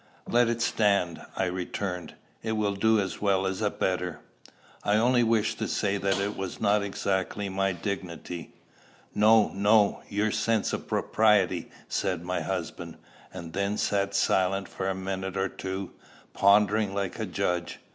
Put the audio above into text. "Let it stand," I returned. "It will do as well as a better. I only wish to say that it was not exactly my dignity" "No, no; your sense of propriety," said my husband; and then sat silent for a minute or two, pondering like a judge.